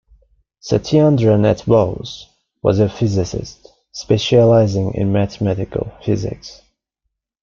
Satyendra Nath Bose was a physicist, specializing in mathematical physics.